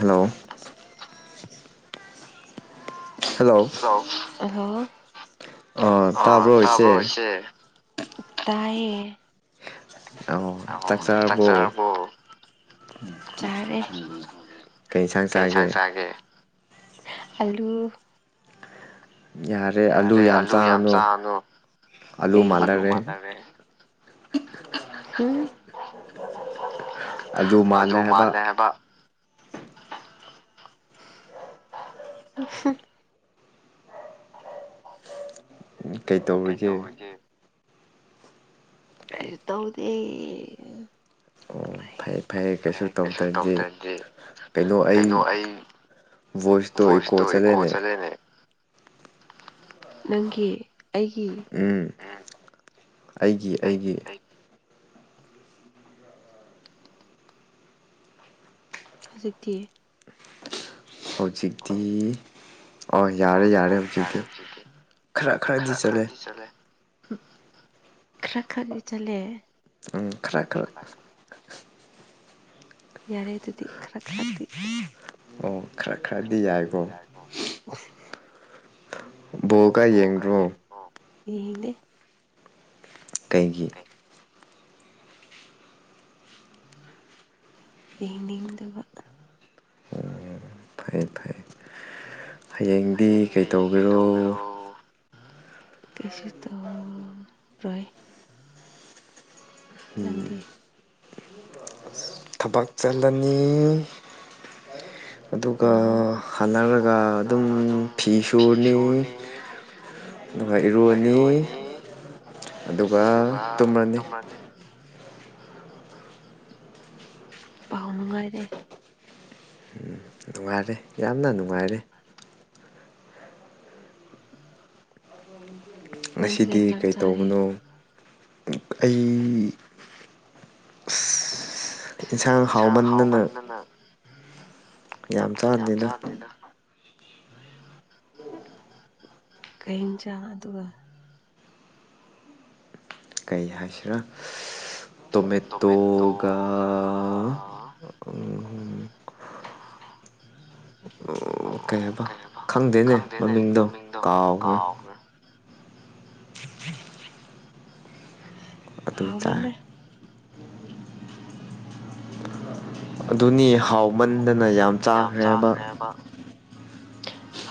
hello hello hello ꯑ ꯇꯥꯕ꯭ꯔꯣ ꯇꯕ꯭ꯔꯣ ꯏꯆꯦ ꯏꯁꯦ ꯇꯥꯏꯌꯦ ꯑ ꯇꯔꯕꯣ ꯆꯥꯛ ꯆꯥꯔꯕꯣ ꯆꯔꯦ ꯀꯩ ꯏꯟꯁꯥꯡ ꯀꯩꯟꯁꯥꯡ ꯆꯥꯒꯦ ꯑꯂꯨ ꯌꯥꯔꯦ ꯑꯂꯨ ꯌꯥꯝ ꯆꯥꯒꯅꯨ ꯑꯂꯨ ꯑꯩ [unintelligible] ꯍꯂ ꯃꯥꯜꯂꯔꯦ ꯃꯗꯔꯦ ꯑꯂꯨ ꯃꯥꯜꯂꯦ ꯍꯥꯏꯕ ꯍꯨꯝ [inaudible] ꯀꯩ ꯇꯧꯔꯤꯒꯦ ꯀꯩꯁꯨ ꯇꯧꯗꯦ ꯑꯣ ꯐꯩ ꯐꯔꯦ ꯐꯩ ꯐꯩꯌꯦ ꯀꯩꯁꯨ ꯇꯧꯗ꯭ꯔꯗꯤ ꯀꯩꯅꯣ ꯑꯩ ꯚꯣꯏꯁꯇꯣ ꯏꯀꯣ ꯆꯠꯂꯦꯅꯦ ꯅꯪꯒꯤ ꯑꯩꯒꯤ ꯎꯝ ꯑꯩꯒꯤ -ꯑꯩꯒꯤ ꯍꯧꯖꯤꯛꯇꯤ ꯍꯧꯖꯤꯛꯇꯤ ꯑ ꯌꯥꯔꯦ- ꯌꯥꯔꯦ ꯍꯧꯖꯤꯛꯇꯤ ꯈꯔ- ꯈꯔꯗꯤ ꯆꯠꯂꯦ ꯈꯔ-ꯈꯔꯗꯤ ꯆꯠꯂꯦ ꯎꯝ ꯈꯔ- ꯈꯔ ꯌꯥꯔꯦ ꯑꯗꯨꯗꯤ ꯈꯔ ꯈꯔꯗꯤ ꯑꯣ ꯈꯔ ꯈꯔꯗꯤ ꯌꯥꯏꯀꯣ [unintelligible] [unintelligible] ꯕꯣꯜ ꯀꯥ ꯌꯦꯡꯗ꯭ꯔꯣ ꯌꯦꯡꯗꯦ ꯀꯩꯒꯤ ꯌꯦꯡꯅꯤꯡꯗꯕ ꯐꯩ ꯐꯩ ꯍꯌꯦꯡꯗꯤ ꯀꯩꯇꯧꯒꯦꯔꯣ ꯀꯩꯁꯨ ꯇꯧꯔꯣꯏ ꯎꯝ ꯅꯪꯗꯤ ꯊꯕꯛ ꯆꯠꯂꯅꯤ ꯑꯗꯨꯒ ꯑꯣ ꯍꯜꯂꯛꯔꯒ ꯑꯗꯨꯝ ꯐꯤ ꯁꯨꯔꯅꯤ ꯑꯗꯨꯒ ꯏꯔꯨꯅꯤ ꯑꯗꯨꯒ ꯇꯨꯝꯔꯅꯤ ꯄꯥꯎ ꯅꯨꯡꯉꯥꯏꯔꯦ ꯎꯝ ꯅꯨꯡꯉꯥꯏꯔꯦ ꯌꯥꯝꯅ ꯅꯨꯡꯉꯥꯏꯔꯦ ꯅꯪꯗꯤ ꯀꯩ ꯉꯁꯤꯗꯤ ꯏꯟꯖꯥꯡ ꯆꯥꯔꯦ ꯀꯩꯇꯧꯕꯅꯣ ꯑꯩ ꯑꯁ ꯏꯟꯁꯥꯡ ꯍꯥꯎꯃꯟꯗꯅ ꯌꯥꯝ ꯆꯥꯟꯗꯦꯅ ꯀꯩ ꯏꯟꯆꯥꯡ ꯑꯗꯨꯒ ꯀꯩ ꯍꯥꯏꯁꯤꯔꯥ ꯇꯣꯃꯦꯇꯣꯒ ꯎꯝ ꯑꯣ ꯀꯩ ꯍꯥꯏꯕ ꯈꯪꯗꯦꯅꯦ ꯃꯃꯤꯡꯗꯣ ꯀꯥꯎꯒ꯭ꯔꯦ [inaudible] ꯑꯗꯨ ꯆꯥꯏ ꯐꯥꯎꯕꯅ ꯑꯗꯨꯅꯤ ꯍꯥꯎꯃꯟꯗꯅ ꯌꯥꯝ ꯆꯥꯈ꯭ꯔꯦꯕ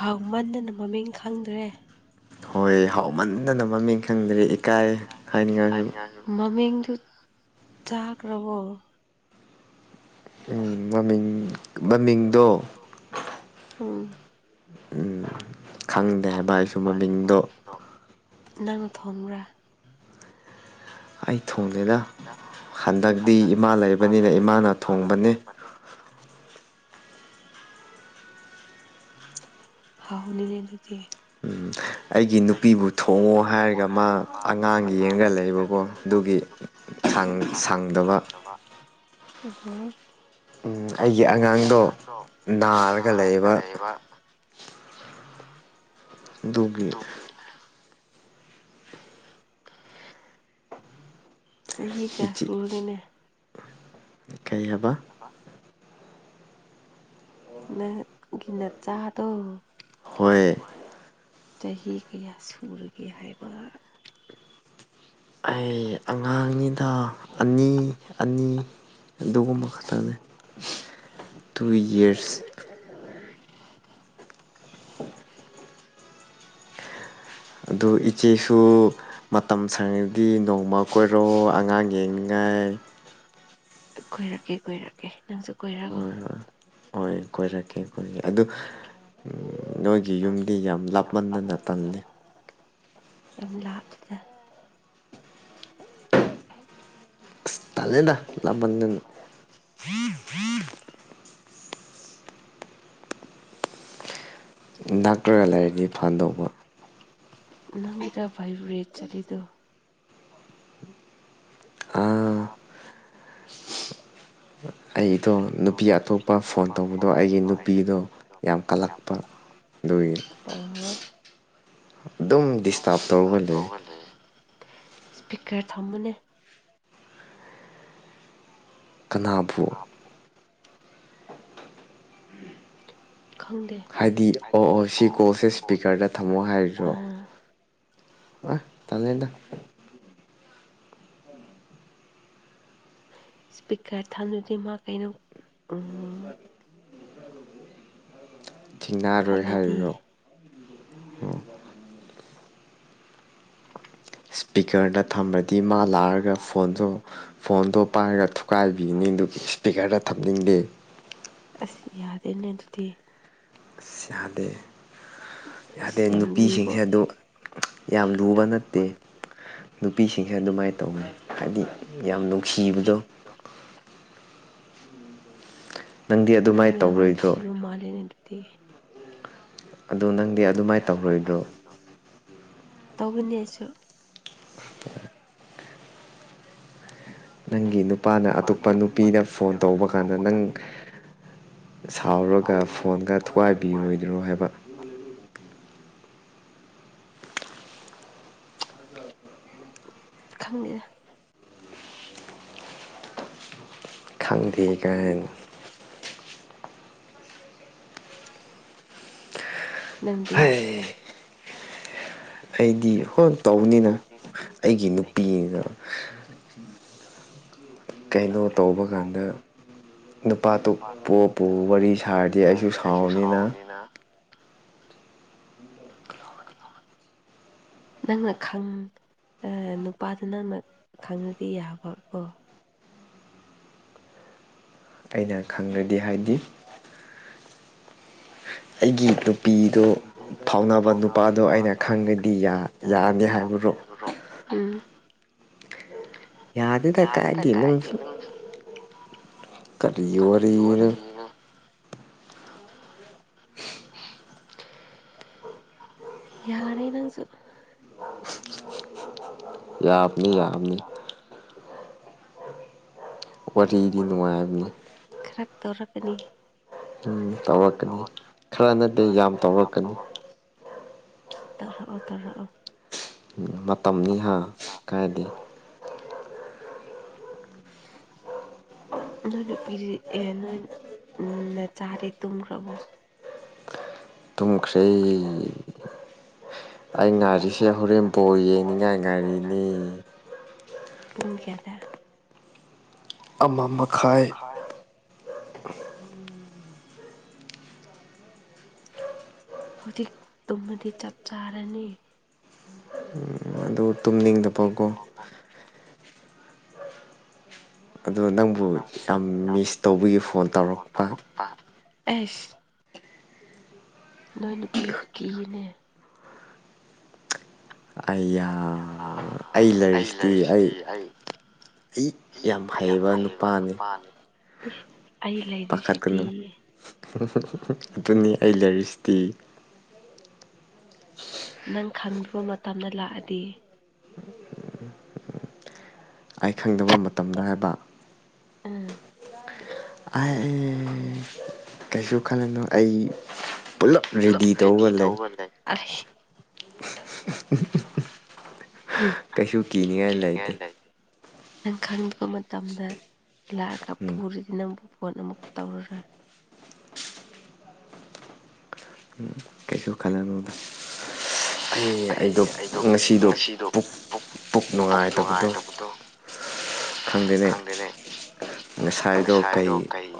ꯍꯥꯎꯃꯟꯗꯅ ꯃꯃꯤꯡ ꯈꯪꯗ꯭ꯔꯦ ꯍꯣꯏ ꯍꯥꯎꯃꯟꯗꯅ ꯃꯃꯤꯡ ꯈꯪꯗ꯭ꯔꯤ ꯏꯀꯥꯏ ꯍꯥꯏꯅꯤꯡꯉꯥꯏꯁꯨ ꯃꯃꯤꯡꯗꯨ ꯆꯥꯒ꯭ꯔꯥꯕꯣ ꯎꯝ ꯃꯃꯤꯡ ꯃꯃꯤꯡꯗꯣ ꯎꯝ ꯎꯝ ꯈꯪꯗꯦ ꯍꯥꯏꯕ ꯑꯩꯁꯨ ꯃꯃꯤꯡꯗꯣ ꯅꯪꯅ ꯊꯣꯡꯕ꯭ꯔꯥ ꯑꯩ ꯊꯣꯡꯗꯦꯗ ꯍꯟꯗꯛ ꯗꯛꯇꯤ ꯏꯃꯥ ꯂꯩꯕꯒꯤ ꯃꯥꯅ ꯊꯣꯡꯕꯅꯦ ꯍꯥꯎꯅꯤꯅꯦ ꯑꯗꯨꯗꯤ ꯑꯩꯒꯤ ꯅꯨꯄꯤꯕꯨ ꯊꯣꯡꯉꯣ ꯍꯥꯏꯔꯒ ꯃꯥ ꯑꯉꯥꯡ ꯌꯦꯡꯒ ꯂꯩꯕꯀꯣ ꯑꯗꯨꯒꯤ ꯁꯥꯡꯗꯕ [unintelligible] ꯎꯝ ꯑꯩꯒꯤ ꯑꯉꯥꯡꯗꯣ ꯅꯥꯔꯒ ꯂꯩꯌꯦꯕ ꯗꯨꯒꯤ ꯆꯍꯤ ꯀꯌꯥ ꯏꯆꯦ ꯁꯨꯔꯒꯅꯦ ꯀꯩ ꯍꯥꯕ ꯅꯪꯒꯤ ꯅꯆꯥꯥꯗꯣ ꯍꯣꯏ ꯆꯍꯤ ꯀꯌꯥ ꯁꯨꯔꯒꯦ ꯍꯥꯏꯕ ꯑꯩ ꯑꯉꯥꯡꯅꯤꯗ ꯑꯅꯤ ꯑꯅꯤ ꯑꯗꯨꯒꯨꯝꯕ ꯈꯛꯇꯪꯅꯦ ꯇꯨ ꯏꯌꯔꯁ [unintelligible] ꯑꯗꯨ ꯏꯆꯦꯁꯨ ꯃꯇꯝ ꯁꯪꯉꯗꯤ ꯅꯣꯡꯃ ꯀꯣꯏꯔꯛꯑꯣ ꯑꯉꯥꯡ ꯌꯦꯡꯅꯉꯥꯏ ꯀꯣꯏꯔꯛꯀꯦ ꯀꯣꯏꯔꯛꯀꯦ ꯅꯪꯁꯨ ꯀꯣꯏꯔꯛꯑꯣ ꯍꯣꯏ ꯍꯣꯏ ꯍꯣꯏ ꯀꯣꯏꯔꯛꯀꯦ ꯀꯣꯏꯔꯛꯀꯦ ꯑꯗꯨ ꯅꯣꯏꯒꯤ ꯌꯨꯝꯗꯤ ꯌꯥꯝ ꯂꯥꯞꯃꯟꯗꯅ ꯇꯜꯂꯦ ꯌꯥꯝ ꯂꯥꯞꯇꯦꯗ ꯑꯁ ꯇꯜꯂꯦꯗ ꯂꯥꯞꯃꯟꯗꯅ ꯅꯛꯀ꯭ꯔ ꯂꯧꯗꯤ ꯐꯗꯧꯕ ꯅꯪꯒꯤꯗ ꯚꯥꯏꯕ꯭ꯔꯦꯠ ꯆꯠꯂꯤꯗꯣ ꯑꯥ ꯑꯩꯗꯣ ꯅꯨꯄꯤ ꯑꯇꯣꯞꯄ ꯐꯣꯟ ꯇꯧꯕꯗꯣ ꯑꯩꯒꯤ ꯅꯨꯄꯤꯗꯣ ꯌꯥꯝ ꯀꯜꯂꯛꯄ ꯑꯗꯨꯏꯒꯤ ꯑꯣ ꯑꯗꯨꯝ ꯗꯤꯁꯇꯥꯔꯕ ꯇꯧꯔꯒ ꯂꯩꯌꯦ ꯁ꯭ꯄꯤꯀꯔ ꯊꯝꯃꯨꯅꯦ ꯀꯅꯥꯕꯨ ꯈꯪꯗꯦ ꯍꯥꯏꯗꯤ ꯑꯣ ꯑꯣ ꯁꯤ ꯀꯣꯜꯁꯦ ꯏꯁꯄꯤꯀꯔꯗ ꯊꯝꯃꯣ ꯍꯥꯏꯔꯤꯔꯣ ꯑꯥ ꯍꯣꯏ ꯇꯜꯂꯦꯗ ꯏꯁꯄꯤꯀꯔ ꯊꯟꯗ꯭ꯔꯗꯤ ꯃꯥ ꯀꯩꯅꯣ ꯊꯦꯡꯅꯔꯣꯏ ꯈꯜꯂꯗꯤ ꯍꯥꯏꯔꯤꯔꯣ ꯁ꯭ꯄꯤꯀꯔꯗ ꯊꯝꯃꯗꯤ ꯃꯥ ꯂꯥꯛꯔꯒ ꯐꯣꯟꯗꯣ ꯐꯣꯟꯗꯣ ꯄꯥꯏꯔꯒ ꯊꯨꯀꯥꯏꯕꯤꯒꯅꯤ ꯑꯗꯨꯒꯤ ꯏꯁꯄꯤꯀꯔꯗ ꯁ꯭ꯄꯤꯀꯔꯗ ꯊꯝꯅꯤꯡꯗꯦ ꯑꯁ ꯌꯥꯗꯦꯅꯦ ꯑꯗꯨꯗꯤ ꯑꯁ ꯌꯥꯗꯦ ꯌꯥꯗꯦ ꯏꯁ ꯌꯥꯝ ꯂꯨꯏꯕꯣ ꯅꯨꯄꯤꯁꯤꯡꯁꯦ ꯑꯗꯨ ꯌꯥꯝ ꯂꯨꯕ ꯅꯠꯇꯦ ꯅꯨꯄꯤꯁꯤꯡꯁꯦ ꯑꯗꯨꯃꯥꯏꯅ ꯇꯧꯕ꯭ꯔ ꯍꯥꯏꯗꯤ ꯌꯥꯝ ꯅꯨꯡꯁꯤꯕꯗꯣ ꯅꯪꯗꯤ ꯅꯪꯕꯨ ꯑꯗꯨꯃꯥꯏꯅ ꯌꯥꯝ ꯇꯧꯔꯣꯏꯗ꯭ꯔꯣ ꯅꯨꯡꯁꯤꯕ ꯃꯥꯜꯂꯦꯅꯦ ꯑꯗꯨꯗꯤ ꯑꯗꯣ ꯅꯪꯗꯤ ꯑꯗꯨꯃꯥꯏ ꯇꯧꯔꯣꯏꯗ꯭ꯔꯣ ꯇꯧꯒꯅꯤ ꯑꯩꯁꯨ ꯅꯪꯒꯤ ꯅꯨꯄꯥꯅ ꯑꯇꯣꯞꯄ ꯅꯨꯄꯤꯗ ꯐꯣꯟ ꯇꯧꯕ ꯀꯥꯟꯗ ꯅꯪ ꯁꯥꯎꯔꯒ ꯐꯣꯟꯒ ꯊꯨꯒꯥꯏꯕꯤꯔꯣꯏꯗ꯭ꯔꯣ ꯍꯥꯏꯕ ꯈꯪꯗꯦꯗ ꯈꯪꯗꯦ ꯒꯥꯏꯅ ꯅꯪꯗꯤ ꯍꯥꯏ ꯑꯩꯗꯤ ꯍꯣꯜ ꯇꯧꯕꯅꯤꯅ ꯑꯩꯒꯤ ꯅꯨꯄꯤꯅ ꯀꯩꯅꯣ ꯇꯧꯕ ꯀꯥꯟꯗ ꯅꯨꯄꯥ ꯑꯇꯣꯞ ꯄꯣ ꯄꯨ ꯋꯥꯔꯤ ꯁꯥꯔꯗꯤ ꯑꯩꯁꯨ ꯁꯥꯎꯅꯦꯅ [unintelligible] ꯅꯪꯅ ꯈꯪ ꯑꯥ ꯅꯨꯄꯥꯗꯨ ꯅꯪꯅ ꯈꯪꯉꯗꯤ ꯌꯥꯕ ꯀꯣ ꯑꯩꯅ ꯈꯪꯔꯥꯗꯤ ꯍꯥꯏꯗꯤ ꯑꯩꯒꯤ ꯅꯨꯄꯤꯗꯣ ꯐꯥꯎꯅꯕ ꯅꯨꯄꯥꯗꯣ ꯑꯩꯅ ꯈꯪꯒꯗꯤ ꯌꯥ ꯌꯥꯅꯤ ꯍꯥꯏꯕꯔꯣ ꯎꯝ ꯌꯥꯗꯦꯗ ꯀꯥꯏꯗꯤ ꯅꯪꯁꯨ ꯀꯔꯤ ꯋꯥꯔꯤꯅꯣ ꯌꯥꯔꯦ ꯅꯪꯁꯨ ꯌꯥꯕꯅꯤ -ꯌꯥꯕꯅꯤ ꯋꯥꯔꯤꯗꯤ ꯅꯨꯡꯉꯥꯏꯕꯅꯤ ꯈꯔꯛ ꯇꯧꯔꯛꯀꯅꯤ ꯎꯝ ꯇꯧꯔꯛꯀꯅꯤ ꯈꯔ ꯅꯇꯦ ꯌꯥꯝ ꯇꯧꯔꯛꯀꯅꯤ ꯇꯧꯔꯛꯑꯣ ꯇꯧꯔꯛꯑꯣ ꯎꯝ ꯃꯇꯝꯅꯤ ꯍꯥ ꯀꯥꯏꯗꯦ ꯑꯣ [unintelligible] ꯅꯣꯏ ꯅꯨꯄꯤꯔꯤ ꯑꯦ ꯅꯣꯏ ꯎꯝ ꯅꯆꯥꯗꯤ ꯇꯨꯝꯈ꯭ꯔꯕꯣ ꯇꯨꯝꯈ꯭ꯔꯦ ꯑꯩ ꯉꯥꯔꯤꯁꯦ ꯍꯣꯔꯦꯟ ꯕꯣꯜ ꯌꯦꯡꯅꯤꯡꯉꯥꯏ ꯉꯥꯏꯔꯤꯅꯤ ꯄꯨꯡ ꯀꯌꯥꯗ ꯑꯃ ꯃꯈꯥꯏ ꯍꯧꯖꯤꯛ ꯇꯨꯝꯃꯗꯤ ꯆꯞ ꯆꯥꯔꯅꯤ ꯎꯝ ꯇꯨ ꯌ ꯇꯨꯝ ꯆꯄꯣꯛꯄ [unintelligible] ꯑꯗꯨꯅ ꯅꯪꯕꯨ ꯌꯥꯝ ꯃꯤꯁ ꯇꯧꯕꯒꯤ ꯐꯣꯟ ꯇꯧꯔꯛꯄ ꯑꯩꯁ ꯅꯣꯏ ꯅꯨꯄꯤꯕꯨ ꯀꯤꯌꯦꯅꯦ ꯑꯩꯌꯥ ꯑꯌꯥ ꯑꯩ ꯂꯩꯔꯤꯁꯤꯗꯤ ꯑꯩ ꯑꯩ ꯌꯥꯝ ꯐꯩꯌꯦꯕ ꯅꯨꯄꯥꯅꯤ ꯑꯦ ꯑꯩ ꯂꯩꯔꯤꯁꯤꯗꯤ ꯄꯥꯈꯠꯀꯅꯨ ꯌꯦ ꯑꯗꯨꯅꯤ ꯑꯩ ꯂꯩꯔꯤꯁꯤꯗꯤ ꯅꯪ ꯈꯪꯗꯔꯣ ꯃꯇꯝꯅ ꯂꯥꯛꯑꯗꯤ ꯑꯩ ꯈꯪꯗꯕ ꯃꯇꯝꯗ ꯍꯥꯏꯕ ꯎꯝ ꯑꯥꯏꯑꯦ ꯀꯩꯁꯨ ꯈꯜꯂꯨꯅꯨ ꯑꯩ ꯄꯨꯂꯞ ꯔꯦꯗꯤ ꯇꯧꯔꯒ ꯂꯩ ꯑꯍꯦ ꯍꯥ ꯀꯤꯅꯤꯡꯉꯥꯏ ꯂꯩꯇꯦ ꯅꯪ ꯈꯪꯗꯕ ꯃꯇꯝꯗ ꯂꯥꯛꯑꯒ ꯎꯝ ꯐꯨꯔꯤꯗꯤ ꯅꯪꯕꯨ ꯐꯣꯟ ꯑꯃꯨꯛ ꯇꯧꯔꯔꯣꯏ ꯀꯩꯁꯨ ꯈꯜꯂꯨꯅꯨꯗ ꯑꯩ ꯑꯩꯗꯣ ꯉꯁꯤꯗꯣ ꯄꯨꯛ- ꯄꯨꯛ ꯅꯨꯡꯉꯥꯏꯇꯕꯗꯣ ꯈꯪꯗꯦꯅꯦ ꯉꯁꯥꯏꯗꯣ ꯀꯩ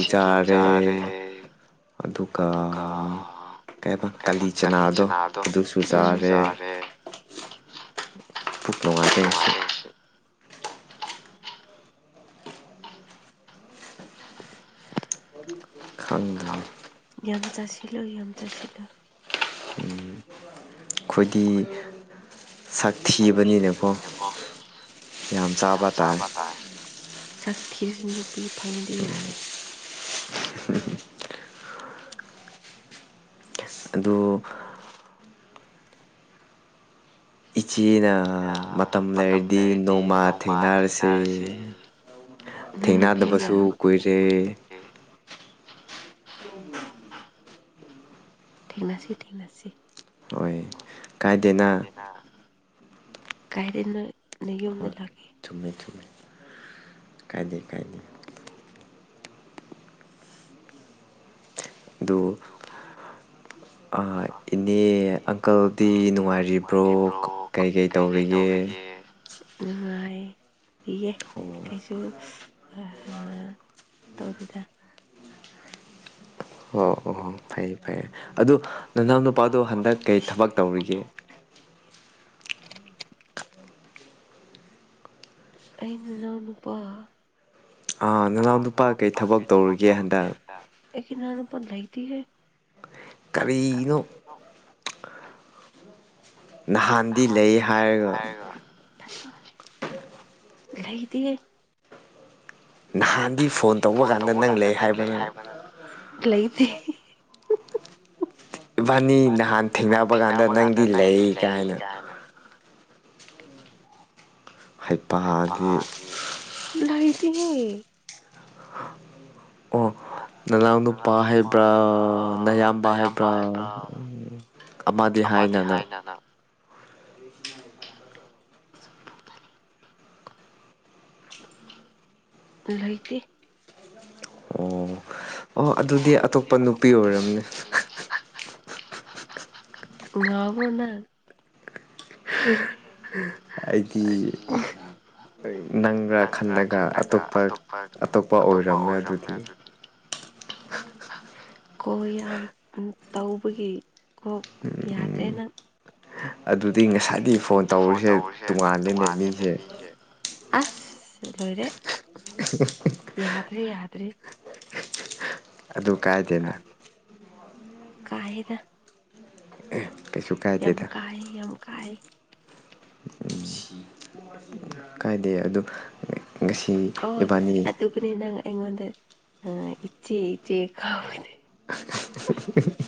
ꯁꯤꯡꯖꯨ ꯆꯥꯔꯦ ꯑꯗꯨꯒ ꯀꯩ ꯍꯥꯏꯕ ꯀꯥꯂꯤ ꯆꯅꯥꯗꯣ ꯑꯗꯨꯁꯨ ꯆꯥꯔꯦ ꯅꯨꯉꯥꯏꯔꯦ ꯉꯁꯤ [unintelligible] ꯈꯪꯗꯦꯅꯦ ꯌꯥꯝ ꯆꯥꯁꯤꯜꯂꯣ ꯌꯥꯝ ꯆꯥꯁꯤꯜꯂꯣ ꯈꯣꯏꯗꯤ ꯁꯛ ꯊꯤꯕꯅꯤꯅ ꯀꯣ ꯌꯥꯝ ꯆꯥꯕ ꯇꯥꯏ ꯁꯛ ꯊꯤꯔꯁꯨ ꯅꯨꯄꯤ ꯐꯪꯗꯤ ꯌꯥꯔꯦ ꯑꯗꯣ ꯏꯆꯦꯅ ꯃꯇꯝ ꯂꯩꯔꯗꯤ ꯅꯣꯡꯃ ꯊꯦꯡꯅꯔꯁꯦ ꯅꯣꯏ ꯅꯨꯄꯤꯒ ꯊꯦꯡꯅꯗꯕꯁꯨ ꯀꯨꯏꯔꯦ ꯊꯦꯡꯅꯁꯤ ꯊꯦꯡꯅꯁꯤ ꯍꯣꯏ ꯀꯥꯏꯗꯦꯅ ꯀꯥꯏꯗꯦ ꯅꯣꯏ ꯅꯌꯨꯝꯗ ꯂꯥꯛꯒꯦ ꯊꯨꯝꯃꯦ ꯊꯨꯝꯃꯦ ꯀꯥꯏꯗꯦ ꯀꯥꯏꯗꯦ ꯑꯗꯨ ꯅꯣ ꯑꯥ ꯑꯦ ꯑꯪꯀꯜꯕꯤ ꯅꯨꯡꯉꯥꯏꯔꯤꯕ꯭ꯔꯣ ꯀꯩꯀꯩ ꯇꯧꯔꯤꯒꯦ ꯅꯨꯡꯉꯥꯏꯔꯤꯌꯦ ꯑꯣ ꯀꯩꯁꯨ ꯑꯥ ꯇꯧꯗꯦꯗ ꯑꯣ ꯑꯥ ꯑꯣ ꯐꯩ ꯐꯩ ꯑꯗꯣ ꯅꯅꯥꯎ ꯅꯨꯄꯥꯗꯣ ꯍꯟꯗꯛ ꯀꯩ ꯊꯕꯛ ꯇꯧꯔꯤꯒꯦ ꯑꯩ ꯅꯅꯥꯎ ꯅꯨꯄꯥ ꯑꯥ ꯅꯅꯥꯎ ꯅꯨꯄꯥ ꯀꯔꯤ ꯊꯕꯛ ꯇꯧꯔꯨꯒꯦ ꯍꯟꯗꯛ ꯑꯩꯒꯤ ꯏꯅꯥꯎ ꯅꯨꯄꯥ ꯂꯩꯇꯦꯍꯦ ꯀꯔꯤꯅꯣ ꯅꯍꯥꯟꯗꯤ ꯂꯩ ꯍꯥꯏꯔꯒ ꯂꯩꯇꯦꯍꯦ ꯅꯍꯥꯟꯗꯤ ꯐꯣꯟ ꯇꯧꯕ ꯀꯥꯟꯗ ꯅꯪ ꯂꯩ ꯍꯥꯏꯕꯅ ꯂꯩꯇꯦ ꯏꯕꯥꯅꯤ ꯅꯍꯥꯟ ꯊꯦꯡꯅꯕ ꯀꯥꯟꯗ ꯅꯪꯗꯤ ꯂꯩ ꯀꯥꯏꯅ ꯀꯥꯏꯅ ꯍꯥꯏ ꯍꯩꯄꯥꯗꯤ ꯂꯩꯇꯦꯍꯦ ꯑꯣ ꯅꯅꯥꯎ ꯅꯨꯄꯥ ꯍꯥꯏꯕ꯭ꯔꯥ ꯅꯌꯥꯝꯕ ꯍꯥꯏꯕ꯭ꯔꯥ ꯑꯃꯗꯤ ꯍꯥꯏꯅ ꯅꯪ ꯂꯩꯇꯦ ꯑꯣ ꯑꯣ ꯑꯗꯨꯗꯤ ꯑꯇꯣꯞꯄ ꯅꯨꯄꯤ ꯑꯣꯏꯔꯝꯅꯦ ꯉꯥꯎꯕ꯭ꯔꯣ ꯅꯪ ꯑꯩꯗꯤ ꯅꯪꯔꯥ ꯈꯜꯂꯒ ꯑꯇꯣꯞꯄ ꯑꯇꯣꯞꯄ ꯑꯣꯏꯔꯝꯃꯦ ꯑꯗꯨꯗꯤ ꯀꯣꯜ ꯌꯥꯝ ꯇꯧꯕꯒꯤ ꯀꯣꯛ ꯌꯥꯗ꯭ꯔꯦ ꯅꯪ ꯑꯗꯨꯗꯤ ꯉꯥꯏꯁꯥꯏꯗꯩ ꯐꯣꯟ ꯇꯧꯔꯤꯁꯦ ꯇꯣꯡꯉꯥꯜꯂꯦꯅꯦ ꯃꯤꯁꯦ ꯑꯁ ꯂꯣꯏꯔꯦ [unintelligible] ꯌꯥꯗ꯭ꯔꯤ ꯌꯥꯗ꯭ꯔꯤ ꯑꯗꯨ ꯑꯗꯣ ꯀꯥꯏꯗꯦꯅ ꯀꯥꯏꯗꯦ ꯀꯥꯏꯌꯦꯗ ꯀꯩꯁꯨ ꯌꯥꯝ ꯀꯥꯏꯗꯦꯗ ꯀꯥꯏ ꯌꯥꯝ ꯀꯥꯏ [unintelligible] ꯀꯥꯏꯗꯦ ꯑꯗꯨ ꯉꯁꯤ ꯑꯣ ꯏꯕꯥꯅꯤ ꯑꯗꯨꯕꯨꯗꯤ ꯅꯪ ꯑꯩꯉꯣꯟꯗ ꯑ ꯏꯆꯦ ꯏꯆꯦ ꯀꯥꯎ [unintelligible]